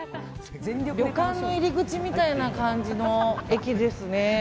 旅館の入り口みたいな感じの駅ですね。